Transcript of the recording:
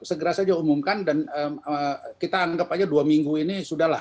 segera saja umumkan dan kita anggap aja dua minggu ini sudah lah